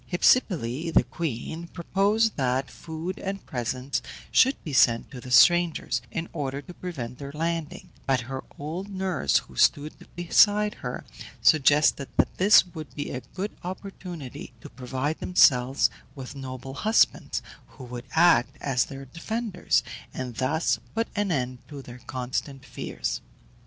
Hypsipyle, the queen, proposed that food and presents should be sent to the strangers, in order to prevent their landing; but her old nurse, who stood beside her, suggested that this would be a good opportunity to provide themselves with noble husbands, who would act as their defenders, and thus put an end to their constant fears.